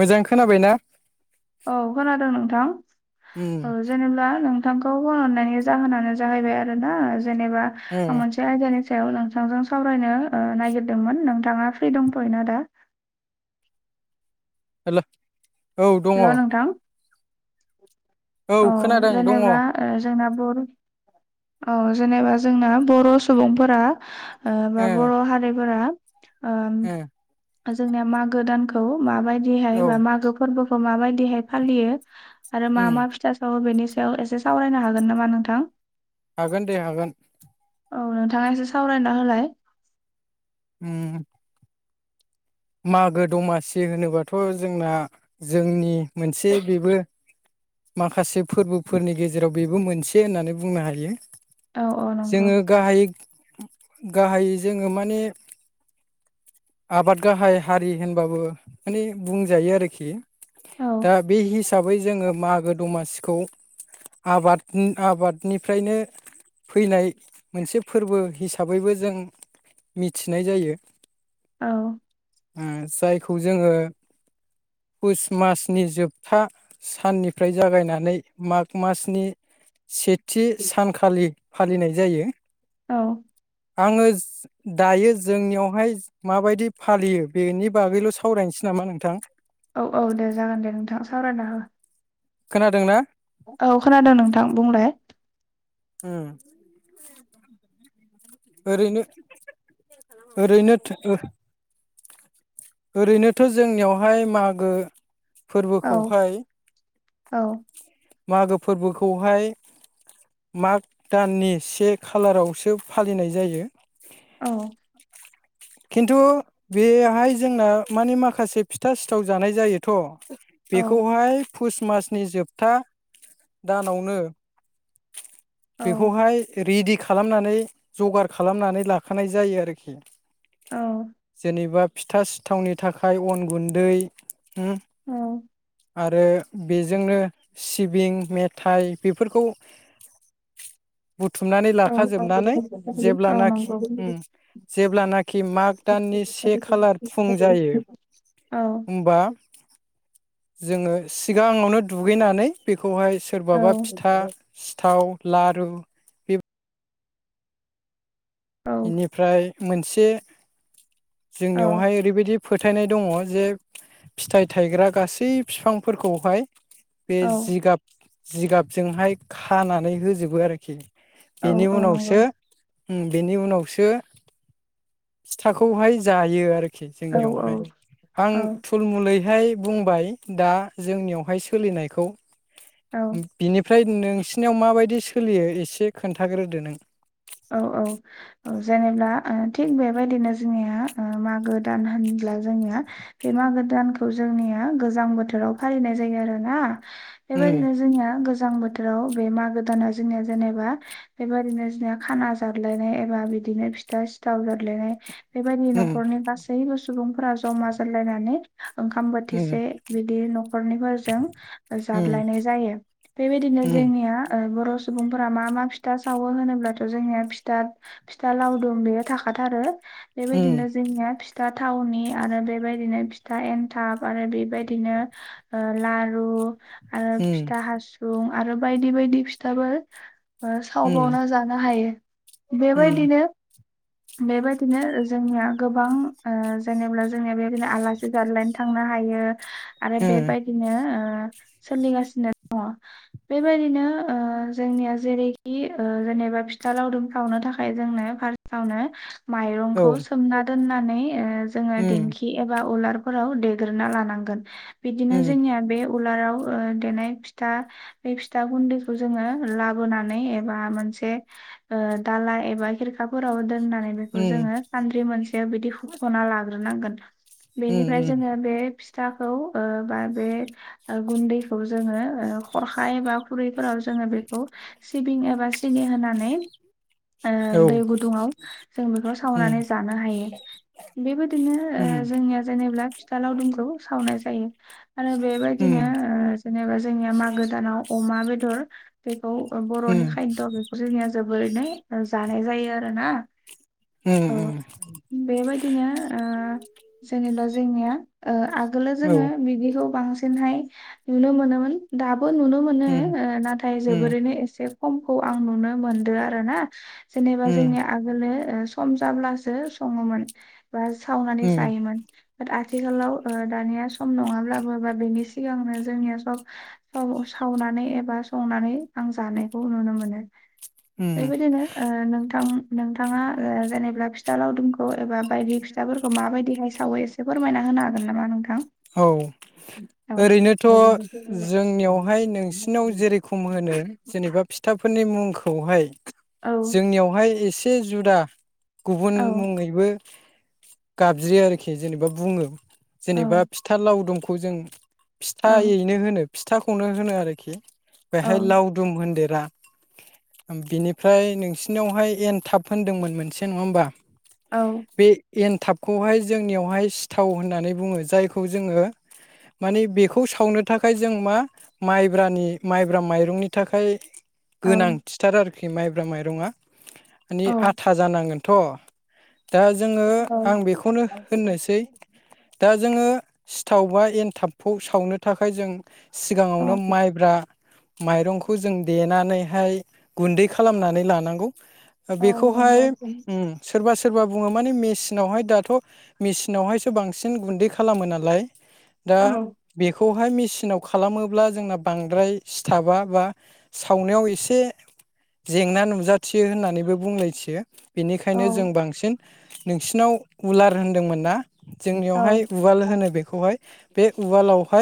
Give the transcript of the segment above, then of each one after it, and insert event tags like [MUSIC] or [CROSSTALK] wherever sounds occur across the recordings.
मोजां खोनाबायना? औ खोनादों नोंथां औ उम जेनेबा नों थांखौ फन हरनायनि जाहोनानो जाहैबाय आरो ना जेनेबा उम आं मोनसे आयदानि सायाव नोंथांजों सावरायनो ओ नायगिरदोंमोन नोंथाङा फ्रि दंथ'योना दा? हेलौ औ दङ। हेल' नोंथां औ खोनादों दङ जेनेबा ओ जोंना [INAUDIBLE] औ जेनेबा जोंना बर' सुबुंफोरा ओ बा बर' हारिफोरा ओम जोंनिया मागो दानखौ माबायदिहाय औ बा मागो फोरबोखौ माबायदिहाय फालियो आरो मा मा उम फिथा सावो बेनि सायाव एसे सावरायनो हागोन नामा नोंथां? हागोन दे हागोन। औ नोंथाङा एसे सावरायना होलाय। ओम मागो दमासि होनोबाथ' जोंना जोंनि मोनसे बेबो माखासे फोरबोफोरनि गेजेराव बेबो मोनसे होननानै बुंनो हायो। औ औ नंगौ जोङो गाहायै गाहायै जोङो माने आबाद गाहाय हारि होनबाबो माने बुंजायो आरोखि। औ दा बे हिसाबै जोङो मागो दमासिखौ आबाद आबादनिफ्रायनो फैनाय मोनसे फोरबो हिसाबैबो जों मिथिनाय जायो। औ ओम जायखौ जोङो पुष मासनि जोबथा साननिफ्राय जागायनानै माग मासनि सेथि सानखालि फालिनाय जायो। औ आङो दायो जोंनियावहाय माबायदि फालियो बेनि बागैल' सावरायनोसै नामा नोंथां? औ औ दे जागोन दे नोंथां सावरायना हो खोनादों ना? औ खोनादों नोंथां बुंलाय उम ओरैनो ओरैनो ओरैनोथ' जोंनियावहाय मागो औ फोरबोखौहाय औ मागो फोरबोखौहाय माग दाननि से खालारावसो फालिनाय जायो। औ खिन्थु बेहाय जोंना माने माखासे फिथा सिथाव जानाय जायोथ' औ बेखौहाय पुस मासनि जो बथा दानावनो औ बेखौहाय रिदि खालामनानै जगार खालामनानै लाखानाय जायो आरोखि औ जेनेबा फिथा सिथावनि थाखाय अन गुन्दै उम आरो बेजोंनो सि बिं मेथाइ बेफोरखौ बुथुमनानै औ औ लाखाजोबनानै औ जेब्लानाखि नंगौ औ औ उम जेब्लानाखि माग दाननि से औ खालार फुं जायो होम्बा जोङो सिगाङावनो दुगैनानै बेखौहाय सोरबाबा फिथा सिथाव लारु बे औ निफ्राय मोनसे जोंनियावहाय ओरैबायदि फोथायनाय दङ जे फिथाइ थायग्रा गासै बिफांफोरखौहाय बे जिगाब जिगाबजोंहाय खानानै होजोबो आरोखि बेनि औ औ नंगौ उनावसो बेनि उनावसो फिथाखौहाय जायो आरो खि औ जोंनियावहाय आं औ थुलमलै हाय बुंबाय दा जोंनियावहाय सोलिनायखौ औ बेनि फ्राय नोंसिनियाव माबायदि सोलियो एसे खोन्थाग्रोदो नों। औ औ जेनेबा ओ थिग बेबायदिनो जोंनिया ओ मागो दान होनब्ला जोंनिया बे मा गो दानखौ जोंनिया गोजां बोथोराव फालिनाय जायो आरोना उम बेबायदिनो जोंनिया गोजां बोथोराव बे मागोदाना जोंनिया जेनेबा बेबायादिनो जोंनि खाना जादलायनाय एबा बिदिनो फिथा सिथाव जादलायनाय बेबायदि उम न'खरनि गासैबो सुबुंफोरा जमा जलायनानै ओंखाम उम बोथिसे बिदि न'खरनिफोरजों उम जादलायनाय जायो बेबायदिनो जों उम निया ओ बर' सुबुंफोरा मा मा फिथा सावो होनोब्लाथ' जोंनिया फि फिथा लावदुम बेयो थाखाथारो बेबायदिनो जोंनिया फिथा थावनि आरो बेबायदिनो फिथा एन्थाब आरो बेबायदिनो लारु आरो उम फिथा हासुं आरो बायदि बायदि फिथाबो उम सावबावना जानो फायो उम बेबायदिनो बेबायदिनो जोंनिया गोबां जेनेा जोंनिया बेबायदिनो आलासि गादलायनो थाङो नो हायो आरो उम बेबायदिनो सोलिगासिनो दङ। बेबायदिनो जोंनिया जेरैखि जेनेबा फिथा लावदुम सावनो थाखाय जोंनो फासतावनो ओ माइरंखौ औ सोमना दोननानै ओ जोङो उम दिेंखि एबा उलारफोराव देग्रोना लानांगोन। बिदिनो उम जोंनिया बे उलाराव देनाय फिथा बे फिथा गुन्दैखौ जोङो लाबोनानै एबा मोनसे दाला एबा खिरखाफोराव दोननानै बेखौ उम जोङो सानद्रि मोनसे बेबादि होखना लाग्रोनांगौन उम बिनिफ्राय उम जोंङो बे फिथाखौ ओ बा बे गुन्दैखौ जोङो खरखाय एबा खुरैफोराव जो बेखौ सिबिं एबा सिनि होनानै ओ औ दै गुदुङाव जों बेखौ उम सावनानै जानो हायो। बेबायदिनो उम जोंनिया जेनेबा फिथा लावदुमखौ सावनाय जायो। आरो उम बेबायदिनो जेनेबा जोंनिया मागो दानाव अमा बेदर बे बे बर'नि उम खायद' बेखौ जोंनिया जोबोरै जानाय जायो आरोना हुम हुम। बिनो ओ जेनेबा जोंनिया ओ आगोलाव औ जोङो बिदिखौ बांसिन बांहाय नुनो मोनोमोन दाबो नुनो मोनो उम नाथाय उम जोबोरैनो एसे समखौ आं नुनो मोनदों आरो ना। जेनेबा उम जोंनि आगोलो ओ सम जाब्लासो सङोमोन बा सावनानै उम जायोमोन। ब आथिखालाव दानिया सम नङाब्लाबो बा बेनि सिगांनो जोंनिया सब सम सावनानै एबा संनानै आं जानायखौ नुनो मोनो। उम बेबायदिनो ओ नोंथां। नोंथाङा जेनेबा फिथा लावदुमखौ एबा बायदि फिथाफोरखौ माबायदिहाय सावो एसे फोरमायना हो खानो हागोन नामा नोंथां? औ। औ ओरैनोथ' जोंनियावहाय नोंसिनाव जेरेखम होनो जेनेबा फिथाफोरनि मुंखौहाय औ जोंनियावहाय एसे जुदा गुबुन औ मुङैबो गाबज्रि आरोखि जेनेबा बुङो। जेनेबा औ फिथा लावदुमखौ जों औ फिथायैनो होनो फिथाखौनो होनो आरोखि। औ बेहाय लावदुम होनदेर बिनिफ्राय नोंसिनियावहाय एनथाब होनदोंमोन मोनसे नङा होमबा? औ। बे एनथाबखौहाय जोंनियावहाय सिथाव होननानै बुङो। जायखौ जोङो मानि बेखौ सावनो थाखाय जों मा माइब्रानि माइब्रा माइरंनि थाखाय गोनांथिथार आरोखि माइब्रा माइरङआ माने औ आथा जानांगोन। थ' दा जोङो औ आं बेखौनो होननोसै दा जोङो सिथाव बा एनथाबखौ सावनो थाखाय जों औ सिगाङावनो माइब्रा माइरंखौ जों देनानैहाय गुन्दै खालामनानै लानांगौ। ओ औ नंगौ बेखौहाय ओम सोरबा सोर सोरबा बुङो माने मेचिनावहाय दाथ' मेचिनावहायसो बांसिन गुन्दै खालामो नालाय। दा औ बेखौहाय मेचिनाव खालामोब्ला जोंना बांद्राय सिथाबा बा सावनायाव एसे जेंना नुजाथियो होननानैबो बुंलायथियो। औ बेनिखायनो जों बांसिन नोंसिनाव उलार होनदोंमोन ना? औ जोंनियावहाय उवाल होनो बेखौहाय बे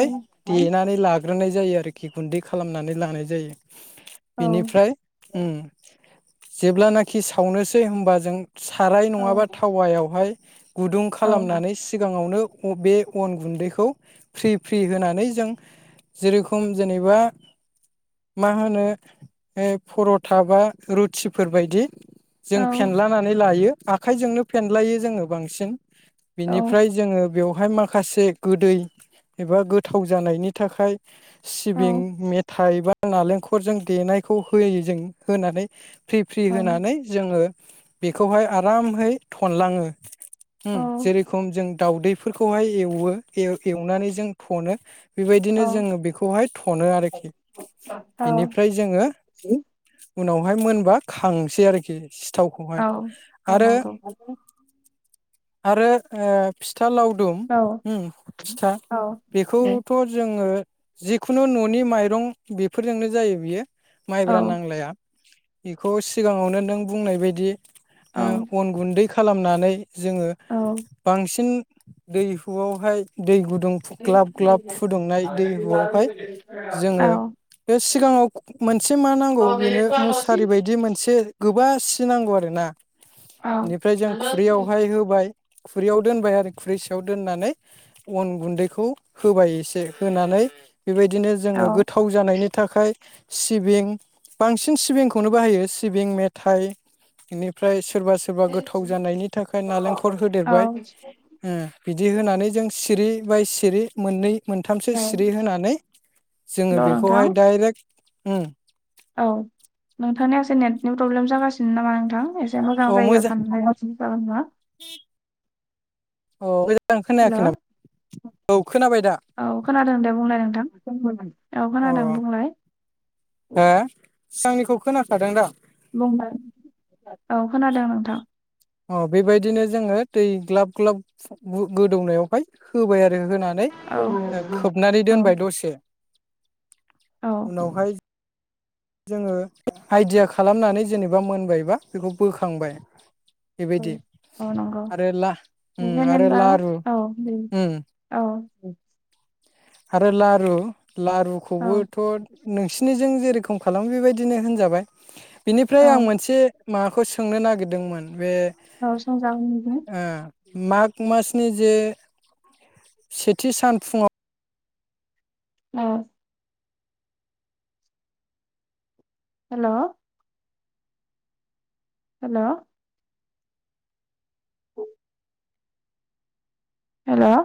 औ देनानै ला ग्रोनाय जायो आरोखि गुन्दै खालामनानै लानाय जायो। औ बेनिफ्राय औ ओम जेब्लानाखि सावनोसै होमबा जों साराय औ नङाबा थावायावहाय गुदुं खालामनानै सिगाङावनो [INAUDIBLE] बे अन गुन्दैखौ फ्रि फ्रि होनानै जों जेरखम जेनेबा मा होनो पर'था बा रुटिफोरबायदि जों फेनलानानै लायो आखाइजोंनो फेनलायो जोङो बांसिन बिनिफ्राय जोङो बेवहाय मा खासे गोदै एबा गोथाव जानायनि थाखाय सिबिं मेथाइ बा नालेंखरजों देनायखौ होयो जों होनानै फ्रि फ्रि होनानै जोङो बेखौहाय आरामहै थनलाङो ओम जे रखम जों दाउदैफोरखौहाय एवो एवनानै जों थनो बेबायदिनो जोङो बेखौहाय थनो आरोखि औ बिनिफ्राय जोङो [INAUDIBLE] उनावहाय मोनबा खांसै आरोखि सिथावखौहाय आरो नंगौ आरो ओ फिथा लावदुम औ ओम फिथा औ बेखौथ' जोङो जिखुनु न'नि माइरं बेफोरजोंनो जायो बियो औ माइब्रा नांलाया बेखौ सिगाङावनो नों बुंनाय बदि औ ओ अन गुन्दै खालामनानै जोङो बांसिन दैहुआवहाय दै गुदुं दुं ग्लाब ग्लाब फुदुंनाय दैहुआवहाय जोङो बे सिगाङाव मोनसे मा नांगौ बेनो मुसारि बायदि मोनसे गोबा खुसि नांगौ आरोना बेनिफ्राय जों खुरैयावहाय होबाय खुरैयाव दोनबाय आरो खुरै सायाव दोननानै अन गुन्दैखौ होबाय एसे होनानै बेबायदिनो जोङो गोथाव जानायनि थाखाय सिबिं बांसिन सिबिंखौनो बाहायो सिबिं मेथाइ बेनिफ्राय सोरबा सोरबा गोथाव जानायनि थाखाय नालेंखर औ होदेरबाय ओम बिदि होनानै जों सिरि बाय सिरि मोननै मोनथामसो हेल' सिरि होनानै जोङो नोंथां बेखौहाय डाइरेक्ट ओम औ नोंथांनि एसे नेटनि प्रब्लेम जागासिनो नामा नोंथां ए से मोजां जायगायाव थां [INAUDIBLE] ओ मोजां हेल' खोनायाखै नामा औ खोनाबाय दा औ खोनादों दे बुंलाय नोंथां बुं औ अ खोनादों बुंलाय हो सिगांनिखौ खोनाखादों दा बुंदों औ खोनादों नोंथां ओ बेबायदिनो जोङो दै ग्लाब ग्लाब गोदौनायावहाय होबाय आरो होनानै औ खोबनानै औ दोनबाय दसे औ उनावहाय जोङो आइडिया खालामनानै जेनेबा मोनबायबा बेखौ बोखांबाय औ बेबायदि औ नंगौ आरो ला उम आरो जेनेबा लारु औ उम औ आरो लारु औ लारुखौबोथ' नोंसिनिजों जेरै खम खालामो बेबायदिनो होनजाबाय बिनिफ्राय आं औ मोनसे माबाखौ सोंनो नागिरदोंमोन बे औ सोंजागोन नोंथां ओ माग मासनि जे सेथि सान फुङाव ओ हेल' हेल' [INAUDIBLE] हेल'